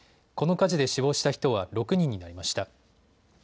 この火事で死亡した人は６人になりました。